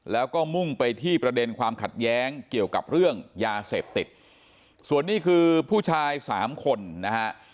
แล้วก็มุ่งไปที่ประเด็นความขัดแย้งเกี่ยวกับเรื่องยาเสพติดส่วนนี้คือผู้ชายสามคนนะฮะ